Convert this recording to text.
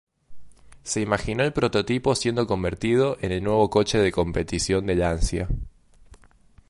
Se imaginó el prototipo siendo convertido en el nuevo coche de competición de Lancia.